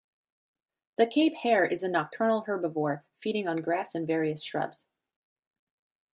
The Cape Hare is a nocturnal herbivore, feeding on grass and various shrubs.